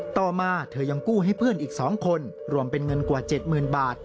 ต่อมาเธอยังกู้ให้เพื่อนอีก๒คนรวมเป็นเงินกว่า๗๐๐๐บาท